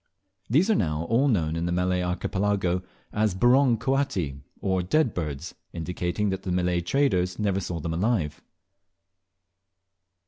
These are now all known in the Malay Archipelago as "Burong coati," or dead birds, indicating that the Malay traders never saw them alive.